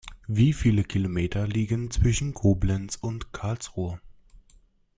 Wie viele Kilometer liegen zwischen Koblenz und Karlsruhe?